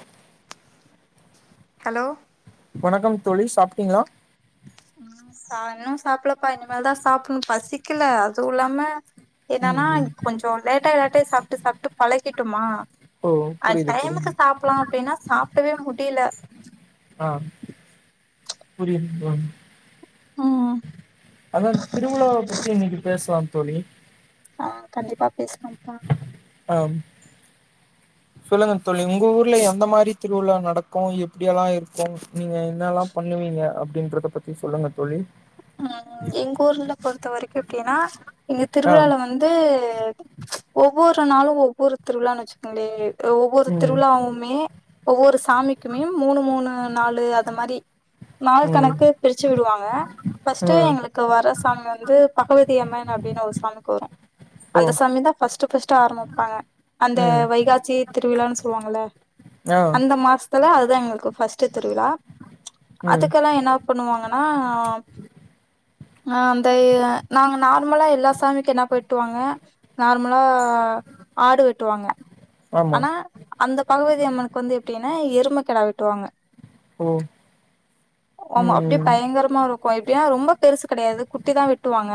உஹ hello வணக்கம் தோழி சாப்ட்டீங்களா சாய்ங்கால சாப்பலப்பா இனிமலதா சாப்னு பசிக்கல அதுவு இல்லாம ம் என்னன்னா ம் கொஞ்ச லேட்டாயி லேட்டாயி சாப்பிட்டு சாப்பிட்டு பழகிட்டோமா ஓ அது புரியுது புரியுது டைமுக்கு சாப்பிடலா அப்படின்னா சாப் ட்டவே முடியில ஆ புரிது தோழி ம் அதா திருவிழா பத்தி இன்னைக்கி பேசுலா தோழி ஆ கண்டிப்பா பேசுறப்பா ஆ சொல்லுங்க தோழி உங்க ஊர்ல எந்த மாதிரி திருவிழா நடக்கு எப்படி எல்லா இருக்கு நீங்க என்னெல்லா பண்ணுவீங்க அப்படின்றத பத்தி சொல்லுங்க தோழி ம் ம் எங்க ஊர்ல போ அது வரைக்கு இருக்கு ஏன்னா எங்க ஆ திருவிழால வந்து ஒவ்வொரு நாளு ஒவ்வொரு திருவிழான் வச்சுக்கோங்களே ஒவ்வொரு ம் திருவுழாவுமே ஒவ்வொரு சாமிக்குமே மூணு மூணு நாலு அந்த மாரி நாள் ம் கணக்கு பிரச்ச விட்டு விடுவாங்க பர்ஸ்ட்டு ஆ எங்களுக்கு வர சாமி வந்து பகவதி அம்மன் அப்டினு ஒரு சாமிக்கு வரோ ஓ அந்த சாமி தா ஃபஸ்ட்டு ஃபஸ்ட்டு ஆரமிப்பாங்க அந்த ம் வைகாசி திருவிழானு சொல்வாங்கல ஆ அந்த மாஸ் ப்பதா அதுதா எங்களுக்கு ஃபஸ்ட்டு திருவிழா ம் அதுக்கெல்லா என்ன பண்ணுவாங்கன்னா ஆ அந்த நாங்க நார்மலா எல்லா சாமிக்கு என்னா ப வெட்டுவாங்க நார்மலா ஆடு வெட்டுவாங்க ஆமா ஆனா அந்த பகவதி அம்மனுக்கு வந்து எப்டினா எரும கெடா வெட்டுவாங்க ஓ ஆமா அப்டி ம் பயங்கரமாருக்கோ எப்டினா ரொம்ப பெருசு கெடையாது குட்டிதா வெட்டுவாங்க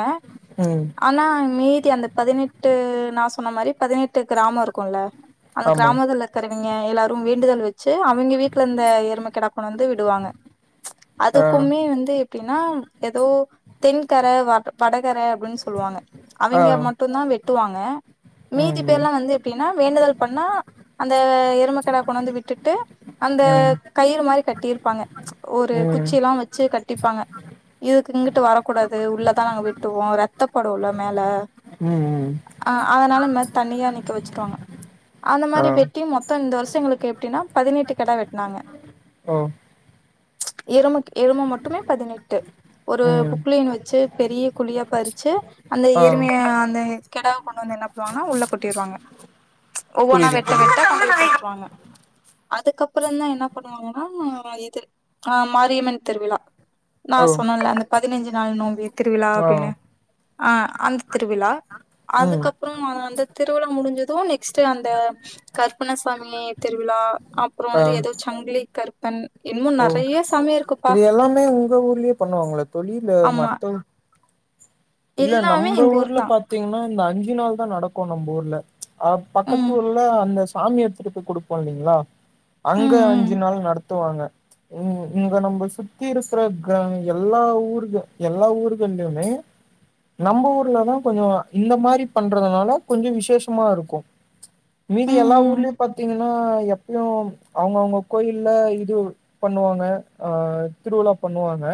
ம் ஆனா மீதி அந்த பதினெட்டு நா சொன்ன மாரி பதினெட்டு கிராமோ இருக்குல்ல அந்த ஆமா கிராமதுல இருக்குற ங்க எல்லாரு வேண்டுதல் வெச்சு அவிங்க வீட்ல இந்த எரும கெடா கொண்ணாந்து விடுவாங்க ஆ அதுக்குமே வந்து எப்டினா எதோ தென்கர வ வடகர அப்டின் சொல்லுவாங்க ஆ அவிங்க மட்டுந்தா வெட் டு வாங்க மீதி ம் பேர்லா வந்து எப்டின்னா வேண்டுதல் பண்ணா அந்த எருமக்கெடா கொண்ணந்து விட்டுட்டு அந்த ம் கயிறு மாரி கட்டியிருப்பாங்க ஒரு ம் குச்சிலா வெச்சு கட்டிப்பாங்க இதுக்கு இங்கிட்டு வரக்கூடாது உள்ளதா நாங்க வெட்டுவோ ரத்தப்படுல்ல மேல ம் ம் அ அதனால இந்மாரி தனியா நிக்க வெச்சுருவாங்க அந்த ஆ மாரி வெட்டி மொத்த இந்த வருஷங்களுக் எப்டினா பதினெட்டு கெடா வெட்னாங்க ஓ எரும எரும மட்டுமே பதினெட்டு ஒரு ம் புக்ளைன் வெச்சு பெரிய குழியா பறுச்சி அந்த ஆ எருமைய அந்த கெடாவ கொண்டு வந்து என்ன பணுவாங்கன்னா உள்ள கொட்டிருவாங்க ஒவ்வொன்னா புரியுது வெட்ட புரியுது வெட்ட கொண்டு போய் போட்ருவாங்க அதுக்கப்றந்தா என்ன பண்ணுவாங்கன்னா இது ஆ மாரியம்மன் திருவிழா நா ஓ சொன்னன்ல அந்த பதினைஞ்சு நாள் நோம்பி திருவிழா ஆ அப்டின்னு ஆ அந்த திருவிழா ம் அதுக்கப்புறம் அந்த திருவிழா முடிஞ்சது நெ நெக்ஸ்ட் அந்த கருப்பன்ன சாமி திருவிழா அப்புறோ ஆ வந்து எதோ சங்கிலி கருப்பன் இன்மு ஓ நெறைய சாமியிருக் இது எல்லாமே உங்க ஊர்லயே பண்ணுவாங்களா தோழி இல்ல ஆமா மத்த ஊ இல்ல எல்லாமே நம்ப எங்க ஊர் ஊர்ல தான் பாத்தீங்னா இந்த அஞ்சு சு நாள் தா நடக்கு நம்ப ஊர்ல அ ம் பக்கத்தூர்ல அந்த சாமி எடுதுட்டு போய் குடுப்போ இல்லிங்களா அங்க ம் ம் அஞ்சு நாள் நடத்துவாங்க இங்க நம்ப சுத்தி இருக்குற க எல்லா ஊருக்கு எல்லா ஊர்கள்லயுமே நம்ப ஊர்லதா கொஞ்சொ இந்த மாரி பண்றதுனால கொஞ்சொ விசேஷமா இருக்கோ மீது எல்லா ம் ம் ஊர்லயு பாத்தீங்க னா எப்யு அவுங்கவுங்க கோயில்ல இது பண்ணுவாங்க ஆ திருவிழா பண்ணுவாங்க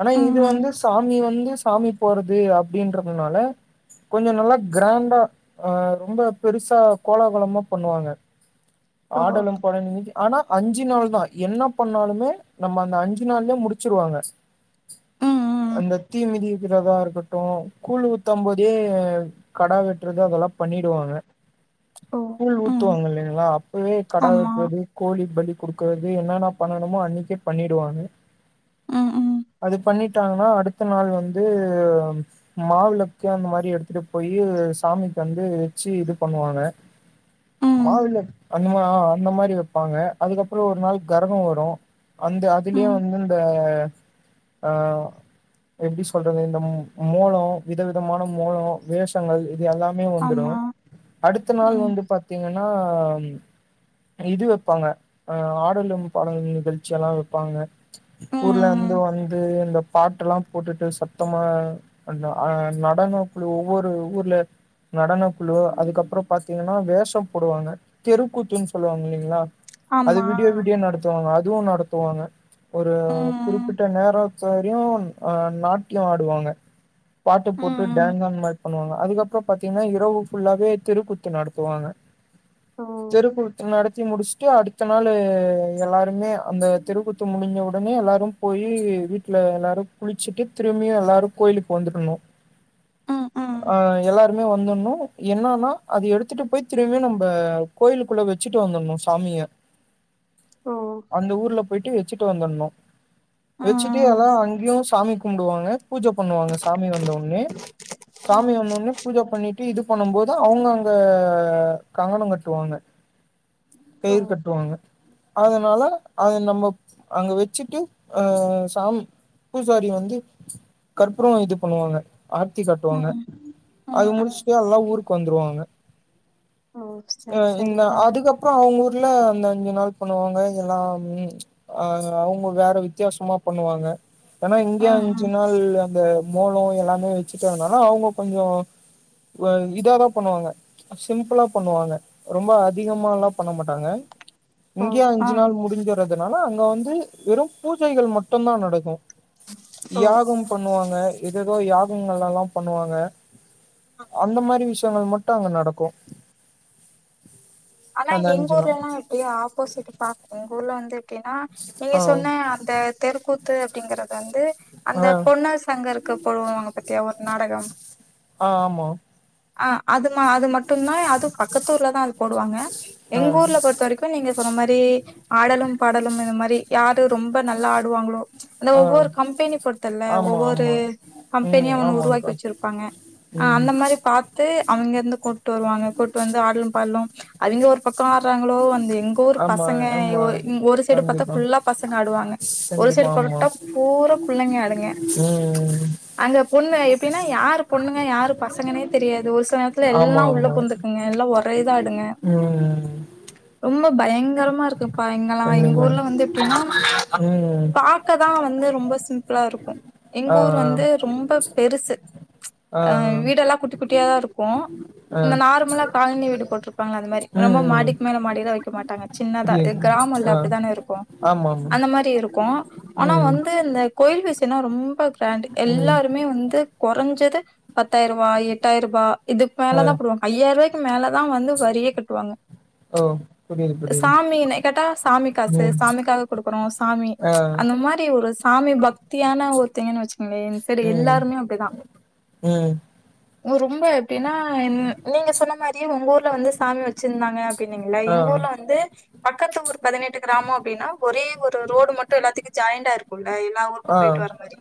ஆனா ம் இது ம் வந்து சாமி வந்து சாமி போறது அப்டின்றதுனால கொஞ்சோ நல்லா க்ராண்டா ஆ ரொம்ப பெருசா கோலாகலமா பண்ணுவாங்க ஓ ஆடலும் பாடல் நிகழ்ச்சி ஆனா அஞ்சு நாள் தா என்ன பண்ணாலுமே நம்ம அந்த அஞ்சு நாள்லே முடுச்சிருவாங்க ம் ம் அந்த தீ மிதிக்கிறதா இருக்கட்டு கூழ் ஊத்தம் போதே கடா வெட்றது அதெல்லா பண்ணிடுவாங்க ஓ கூழ் ம் ஊத்துவாங்க இல்லங்களா அப்பவே கடா ஆமா வெட்டுறது கோழி பலி குடுக்கறது என்னென்ன பண்ணணுமோ அன்னிக்கே பண்ணிடுவாங்க ம் ம் அது பண்ணிட்டாங்கன்னா அடுத்த நாள் வந்து மாவிளக்கு அந்த மாரி எடுத்துட்டு போயி சாமிக்கு வந்து வச்சு இது பண்ணுவாங்க ம் மாவுள அந்த அந்த மாரி வைப்பாங்க அதுக்கப்பறம் ஈ ஒரு நாள் கரகம் வரும் அந்த அதுலயே ம் வந்து இந்த ஆ எப்பிடி சொல்றது இந்த மூலம் விதவிதமான மூலம் வேஷங்கள் எல்லாமே ஆமா வந்துடும் அடுத்த நாள் ம் வந்து பாத்தீங்கன்னா ன்னா இது வைப்பாங்க ம் ஆடலும் பாடலும் நிகழ்ச்சி செல்லாம் வைப்பாங்க ஊர்ல ம் இருந்து வந்து இந்த பாட்டு எல்லாம் போட்டுட்டு சத்தமா அந்த ஆ நடன குழு ஒவ்வொரு ஊர்ல நடன குழு அதுக்கப்பறம் பாத்தீங்கன்னா வேஷம் போடுவாங்க தெருக்கூத்துன்னு சொல்லுவாங்க இல்லைங்களா அது ஆமா விடிய விடிய நடத்துவாங்க அது இதுவும் நடத்துவாங்க ஒரு ம் குறிப்பிட்ட நேரம் சரியும் அ நாட்டியம் ஆடுவாங்க பாட்டு போட்டு ம் டேங்க பண்ணுவாங்க அதுக்கப்புறம் பாத்தீங்கன்னா இரவு ஃபுல்லாவே திருக்குத்து நடத்துவாங்க ஓ தெருக்குத்து நடத் த்தி முடிச்சுட்டு அடுத்த நாள் எல்லாருமே அந்த தெருகுத்து முடிஞ்ச உடனே எல்லாரும் போயி் வீட்ல எல்லாரும் குளிச்சுட்டு திரும்பியும் எல்லாரும் கோயிலுக்கு வந்துடணும் ம் ம் அ எல்லாருமே வந்துடணும் என்னன்னா அது எடுத்துட்டு போய் திரும்பியும் நம்ம கோயிலுக்குள்ள வச்சுட்டு வந்துடணும் சாமிய ஓ அந்த ஊர்ல போயிட்டு வச்சுட்டு வந்தடணும் வச்சுட்டு ம் எல்லாம் அங்கேயும் சாமி கும்டுவாங்க பூஜ பண்ணுவாங்க சாமி வந்தவங் ஒண்ணு சாமி ம் வந்த உடனே பூஜ பண்ணிட்டு இது பண்ணும் போது அவங்க அங்க கங்கணம் கட்டுவாங்க ஓ கயிர் கட்டுவாங்க அதனால அத நம்ம அங்க வச்சுட்டு அ சாம் பூசாரி வந்து கற்புரம் இது பண்ணுவாங்க ஆர்த்தி கட்டுவாங்க ம் ம் அது ம் முடிச்சுட்டே எல்லா ஊருக்கு வந்துருவாங்க ஓ சரி அ இந்த சரிப்பா அதுக்கப்புறம் அவங்க ல்ல அந்த அஞ்சு நாள் பண்ணுவாங்க எல்லா உம் ஆ அவங்க வேற வித்தியாசமா பண்ணுவாங்க ஆனா இங்கய ம் அஞ்சு ம் நாள் இந்த மூலம் எல்லாமே வச்சுட்டு இருந்தனா அவங்க கொஞ்சம் இதாதா பண்ணுவாங்க சிம்பிளா பண்ணுவாங்க ரொம்ப அதிகம எல்லாம் பண்ண மாட்டாங்க ஓ இங்கயு ஆ அஞ்சு நாள் முடிஞ்ச அதனால அங்க வந்து வெறும் பூஜைகள் மட்டும்தா நடக்கும் ஓ யாகம் பண்ணுவாங்க ஏதோ யாகங்கள்லல்லாம் பண்ணுவாங்க அந்த மாதிரி விஷயங்கள் மட்டும் அங்க நடக்கும் ஆனா எங்க ஊர்ல எல்லா எப்டி ஆப்போசிட் பா எங்க ஊர்ல வந்து டினா நீங்க ஆ சொன்ன அந்த தெரு கூ த்து அப்டிங்கிறது வந்து அந்த ஆ பொன்னர் சங்கருக்கு போடுவாங்க பாத்தியா ஒரு நாடகம் ஆ ஆமா அ அதுமா அது மட்டுந்தா அதுவு பக்கத்தூர்லதா அது போடுவாங்க ஆ எங்க ஊர்ல பொறுத்த வரைக்கு நீங்க சொன்ன மாரி ஆடலும் பாடலும் இந்த மாரி யாரு ரொம்ப நல்லா ஆடுவாங்களோ அந்த ஆ ஒவ்வொரு கம்பெனி பொருத்தல்ல ஆமா ஒவ்வொரு ஆமா கம்பெனிய ம் அவன உருவாக்கி ஆமாங்க்கா வச்சிருப்பாங்க ஆ ம் அந்த மாதி ரி பாத்து அங்கருந்து கொ கூட்டு வருவாங்க கூட்டு வந்து ஆடலு பாடலு அவிங்க ஒரு பக் ஆடுறாங்களோ அந்த எங்க ஊரு ஆமா பசங்க யோ ஆமா ஒரு சைடு பாத்தா கண்டிப்பா ஃபுல்லா பசங்க ஆடுவாங்க ஒரு கண்டிப்பா சைடு ஆமா போட்டா பூரா புள்ளைங்க ஆடுங்க ம் அங்க பொண்ணு எப்டின்னா யார் பொண்ணு யாரு பசங்கனே தெரியாது ஒரு சில நேரத்துல எல்லா ஆமா உள்ள ஆமா பூந்துக்குங்க எல்லா ஒரேதா ஆடுங்க ம் ரொம்ப பயங்கரமா இருக்குப் பா இங்கலா எங்க கண்டிப்பா ஊர்ல வந்து எப்டின்னா ம் பாக்கதா வந் வந்து ரொம்ப சிம்பிளாருக்கு எங்க ஆ ஊர் வந்து ரொம்ப பெருசு ஆ ஆ அ வீடெல்லா குட்டி கு குட்டியாதா இருக்கு ஆ ஆ இந்த நார்மலா காலனி வீடு போட்டிருப்பாங்கள்ள அந்த மாரி ம் ரொம்ப ம் மாடிக்கு மேல மாடி வைக்க மாட்டாங்க சின்னதா புரியுது கிராமல ஆ அப்டிதான இருக்கு ஆமா ஆமா அந்த மாரி இருக்கு ஆனா ம் வந்து இந்த கோயில் விசியனா ரொம் ப்ப கிராண்ட் ம் எல்லாருமே வந்து கொறஞ்சது பத்தாயிர ரூவா எட்டாயிர ரூபா இதுக்கு ஆ மேல தா போடுவாங்க ஐ ஆயிர க்கு மேல தா வந்து வரியே க பாங்க ஓ புரியுது புரியுது சாமி என்ன கேட்டா சாமி காசு ம் சாமிக்காக குடுக்குறோ சாமி ஆ அந்த மாரி ஒரு சாமி பக்தியான ஒருத்தேங்க வச்சு ஏன் செரி ம் எல்லாருமே அப்டிதா ம் ம் ரொம்ப எப்டின்னா நீங்க சொன்ன மாரியே ஒங்க ஊர்ல வந்து சாமி வச் சிருந்தாங்க பீனிங்கள ஆ எங்க ஓர்ல வந்து பக்கத்து ஊர் பதினெட்டு கிராமோ அப்டின்னா ஒரே ஒரு ரோடு மட்டு எல்லாத்துக்கு ஜாயிண்டா இருக்கோல் ஆஹ் எல்லா ஊருக்கு ஆ போயிட்டு வர்ர மாரி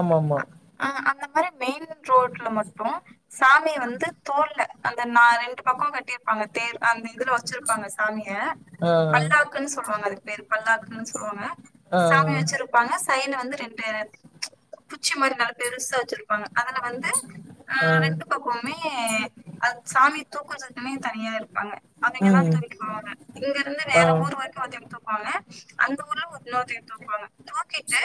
ஆமா ஆமா அ ஆஹ் அந்த அஹ் மெயின் ரோட்ல மட்டு சாமி வந்து தோள்ல அந்த நா ரெண்டு பக்கோ கட் டிருப்பாங்க தேர் அந்த இதுல வச்சிருப்பாங்க சாமிய ஆ பல்லாக்குன்னு சொல்லுவாங்க அதுக்கு பேரு பல்லாக்குன்னு சொல்லுவாங்க ஆ சாமிய வச்சிருப்பாங்க செயின வந்து ரெண்டு குச்சி மாரி நல்லா பெருசா வெச்சிருப்பாங்க அதுல வந்து ஆ அஹ் ரெண்டு பக்கமுமே அது சாமி தூக்குஜன் மே தனியா இருக் க்காங்க அவுங்கேதா ம் தூக்கிட்டு போவாங்க இங்கருந்து ஆ வேற ம் ஊர் வரைக்கு ஒருத்தைங்க தூக்குவாங்க அந்த ஊர்ல இன்னோருத்தேர் தூக்குவாங்க தூக்கிட்டு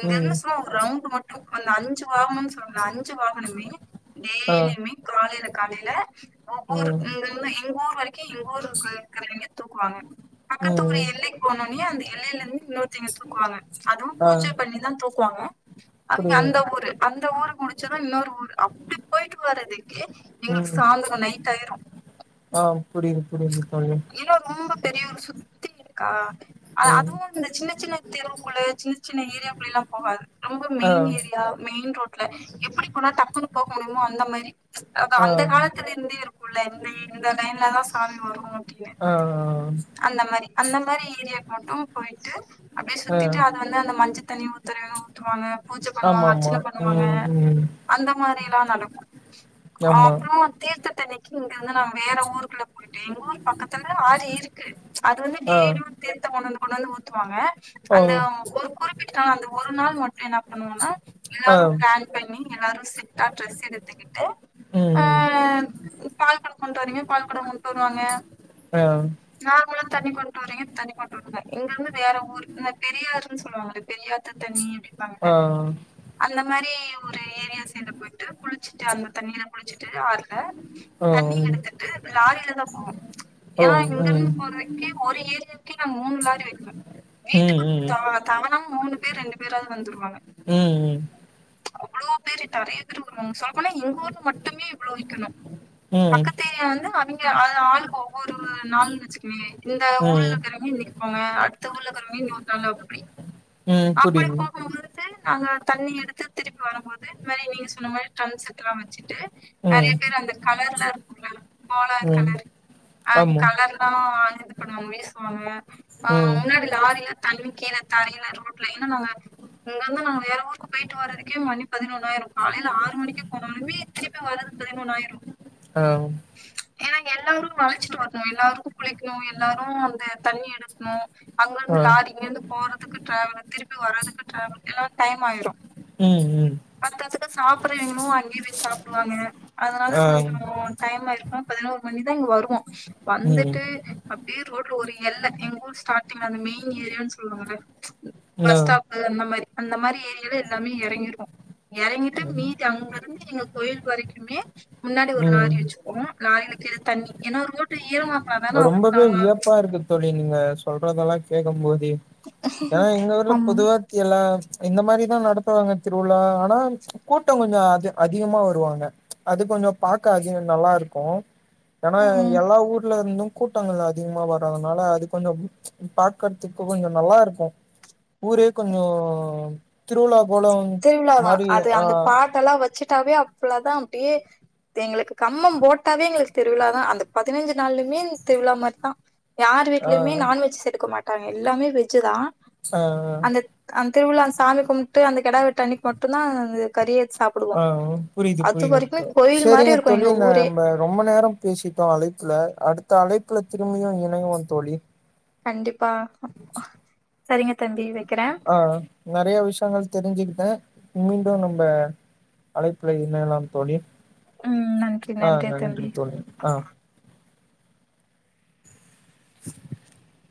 இங்கெருந்து சுமா ஒரு ரவுண்ட் மட்டு அந்த அஞ்சு வாகனுன் சொல்லுவாங்கள்ள அஞ்சு வாகனமே டெய்லியிமே காலைல காலைல உம் எங்க ஊர் வரைக்கி எங்க ஊரு இருக்கிறவங்க தூக்குவாங்க பக்கத்து ஊரு ம் எல்லைக்கு போனோனே அந்த எல்லையிலருந்து இன்னொருத்தவைங்க தூக்குவாங்க அதுவு ஆ பூஜ பண்ணிதா தூக்குவாங்க அவிங்க புரியுது அந்த ஊரு அந் இந்த ஊரு முடிச்சோனே இன்னொரு ஊரு அப்டி போயிட்டு வர்றதுக்கே எங்களுக்கு சாய்ந்திரோ நைட் ஆயிரோ ஆஹ் புரியுது புரியுது தோழி ஏன்னா ரொம்ப பெரிய ஒரு சுத்தி இருக்கா அ ம் அதுவு இந்த சின்ன சின்ன தெருவுக்குள்ள சின்ன சின்ன ஏரியாவுக்குள்ளேலா போகாது ரொம்ப ஆ மெயின் ஏரியா மெயின் ரோட் எப்பிடி போனா டக்குன்னு போக முடியுமோ அந்த மாரி அ ஆ ஆ அந்த காலத்துலிருந்தே இரு குள்ளன் இந்த லைன்லதா சாமி வரு அப்டின்னு ஆ அந்த மாரி அந்த மாரி ஏரியாக்கு மட்டு போய்ட்டு அப்டியே சுத்திட்டு அது வந்து அந்த மஞ்ச தண்ணிய ஊத்துறவங்க ஊத்துவாங்க பூஜ பண்ணுவாங்க ஆமா ஆமா அர்ச்சன பண்ணுவாங்க ம் ம் அந்த மாரி எல்லா நடக்கு ஆஹ் ஆமா அப்புறோ தீர்த் த்த தண்ணிக்கி வந்து நா வேற ஊருக்குள்ள போயிட்டே எங்க ஊர் பக்கத்துல ஆறு இருக்கு அது வந்து ஆ டெய்லியு தீர்த்தோ கொண்னந்து கொண்னந்து ஊத்துவாங்க ஓ அந்த ஒரு குறிப்பிட்ட நாள் அந்த ஒரு நாள் மட்டு என்ன பண்ணுவோனா ஆ எல்லாரு ம் பிளான் பண்ணி எல்லாரு செட்டா ட்ரெஸ் எடுத்துக்கிட்டு ம் ஆஹ் என்ன கணக் கொண்டு வரீங்க பால்குடம் கொண்டு வருவாங்க ஆ நார்மலா தண்ணி கொண்டு வறீங்க தண்ணி பட்டு விடுங்க இங்க இருந்து வேற ஊர் பெரியாருன்னு சொல்லுவாங்க பெரியாத்து தண்ணி ஆ அப்படிப்பாங்கள அந்த மாதிரி ஒரு ஏரியா சைட் போயிட்டு குளிச்சுட்டு அந்த தண்ணில குளிச்சு ட்டு ஆர்ல ஆ தண்ணி ம் எடுத்துட்டு லாரிலதான் போவோம் ஓ ஏன்னா இங்கர்ந்து ம் போறதுக்கு ஒரு ஏரியக்குே நான் மூணு லாரி வைக்கணு ம் வீட்டுக்கு த ம் தவணா மூணு பேர் ரெண்டு பேராது வந்துருவாங்க ம் அவ்வளோ பேரு நிறைய பேர் வருவாங்க சொல்ல போனா எங்க ஊர்ல மட்டுமே இவ்வளோ விக்கணும் ம் பக்கத்து ஏரியா வந்து அ அது ஆளு கோ ஒரு நாள்ன்னு வச்சுக்கேங்க இந்த ஊர்ல ம் இருக்கிறங்க இன்னை போங்க அடுத்த ஊர்ல கிழம்பி இன்னூர்த்தவ்ங்க அப்படி ம் அப்டிய புரியுது போகு போது நாங்கள் தண்ணி எடுத்து திருப்பி வரும்போது இந்த மாதிரி நீங்கள் சொன்ன மாதிரி ட்ரம் செட் எல்லா வச்சுட்டு நிறைய ம் பேர் வந்த கலர் எல்லாம் இருக்கும்ள கோலம் ம் கலர் அஹ் ஆமா கலர்ல்லாம் இதுக் நம்மவே சொன்ன ஆஹ் ம் முன்னாடில லாரிலா தழுவிக்கென தலயில அரும்பு ன்ன நாங்க இங்க இருந்தான் நாங்க வேற ஊருக்கு போயிட்டு வர்றதுக்கே மண்ணி பதினொணாயிரம் காலையில ஆறு மணிக்கு போனாலுமே திருப்பி வர்றதுக்கு பதிமொணாயிரம் ஆஹ் ஏன்னா இங்க எல்லாரு வளைச்சிட்டு வரணும் எல்லாருக்கு குளிக்க ணும் எல்லாரு அந்த தண்ணி எடுக்கணு அங்க இருந்து ஆ லாரிங்க இருந்து போறதுக்கு டிராவல் திருப்பி வர்றதுக்கு ட்ராவல் எல்லா டைம் ஆயிரும் ம் ம் பத்தாதக்கு சாப்பிடுற எணமு அங்கேயே போய் சாப்பிடுவாங்க அதனால ஆ கொஞ்சம் டைம்மா இருக்கு பதினோரு மணிதான் இங்க வருவோம் ம் வந்துட்டு அப்படியே ரோட்ல ஒரு எல்ல எங்க ஊர் ஸ்டார்டிங்ல அந்த மெயின் ஏரியான்னு சொல்லுவாங்க ஆ பஸ் ஸ்டாப் அந்த மாதிரி அந்த மாதிரி ஏரியால எல்லாமே இறங்கிருவோ இறங்கிட்டு மீதி அங்க இருந்து எங்க கோயில் வரைக்குமே முன்னாடி ஒரு லாரி ம் வச்சுப்போ லாரில தண்ணி ஏன்னா மூட்ட ஈரமா இருந்தா தான அவங்களுக்கு ரொம்பவே நாம வியப்பா இருக்கு தோழி அப்படி நீங்க சொல்றதெல்லாம் கேட்கும் போது ஏன்னா எங்க ஊர்ல ஆமா பொதுவாத்தியல்லா இந்த மாதிரிதான் நடத்துவாங்க திருவிழா ஆனா கூட்டம் கொஞ்ச அத அதிகமா வருவாங்க அது கொஞ்ச பாக்க அதிக நல்லா இருக்கு ஏன்னா ம். எல்லா ஊர்ல இருந்தும் கூட்டங்கள் அதிகமா வர்றதுனால அது கொஞ்ச பாக்கறதுக்கு கொஞ்ச நல்லா இருக்கு ஊரே கொஞ்சம் திருவிழா போல திருவிழாதான் மாரி அது ஆ அந்த பாட்டல்லா வச்சுட்டாவே அவ்ளதான் அப்ப எங்களுக்கு கம்மம் போட்டாவே எங்களுக்கு திருவிழா தான் அந்த பதினைஞ்சு நாளுமே திருவிழா மாதிரிதான் யார் ஆ வீட்லியுமே நான்வெஜ் எடுக்க மாட் டாங்க எல்லாமே வெஜ்ஜு தான் அ ஆ திருவிழா சாமி கும்ட்டு அந்த கெடா வெட்டு அன்னிக்கு மட்டுந்தா அந்த கறியத் அ ஆ புரிது புரியுது கோயில் மாரி செரிங்க இருக்கு தோழி எங்க ந ஊரே நம்ப ரொம்ப நேரம் பேசிட்டோம் அழைப்புல அடுத்த அழைப் புல திரும்பியும் இணைவோம் தோழி கண்டிப் வெக்கிறே ஆ நெறய விஷயங்கள் தெரிஞ்சிக்கிட்டேன் மீண்டும் நம்ப அழைப்புல இணையலாம் தோழி ம் நன்றி ஆ நன்றி தம்பி தோழி ஆ [inaudible]